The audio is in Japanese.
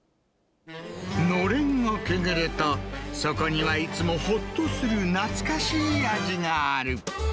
のれんをくぐると、そこにはいつもほっとする懐かしい味がある。